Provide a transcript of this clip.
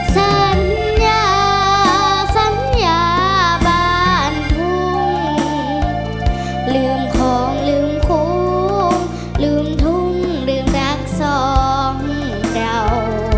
สัญญาสัญญาบ้านทุ่งลืมของลืมคุ้มลืมทุ่งลืมรักสองเรา